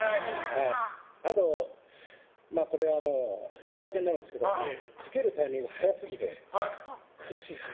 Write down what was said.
あと、これは言い訳になるんですけど着けるタイミング早すぎて苦しいです。